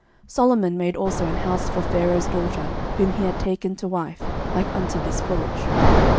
Solomon made also an house for Pharaoh's daughter, whom he had taken to wife, like unto this porch.